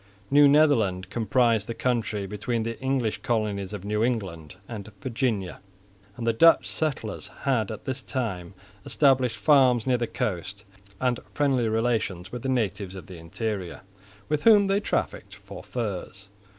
New Netherland comprised the country between the English colonies of New England and Virginia; and the Dutch settlers had at this time established farms near the coast and friendly relations with the natives of the interior, with whom they trafficked for furs.